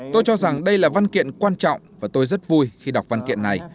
tôi cho rằng đây là văn kiện quan trọng và tôi rất vui khi đọc văn kiện này